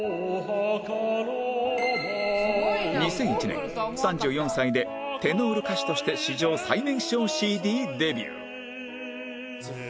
２００１年３４歳でテノール歌手として史上最年少 ＣＤ デビュー